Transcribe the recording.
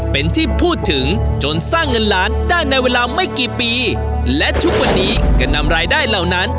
เป็นที่พูดถึงจนสร้างเงินล้านได้ในเวลาไม่กี่ปีและทุกวันนี้ก็นำรายได้เหล่านั้น